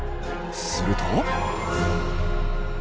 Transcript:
すると。